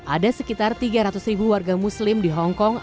ada sekitar tiga ratus ribu warga muslim di hongkong